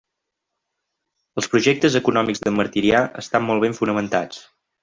Els projectes econòmics d'en Martirià estan molt ben fonamentats.